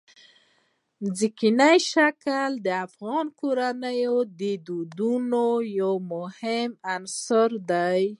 ځمکنی شکل د افغان کورنیو د دودونو یو مهم عنصر دی.